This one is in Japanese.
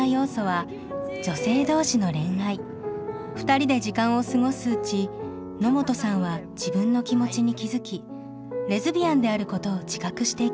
２人で時間を過ごすうち野本さんは自分の気持ちに気付きレズビアンであることを自覚していきます。